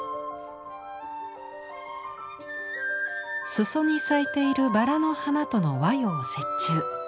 裾に咲いているバラの花との和洋折衷。